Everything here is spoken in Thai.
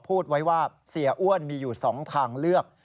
พูดไว้ว่าเสียอ้วนมีอยู่๒ทางเลือก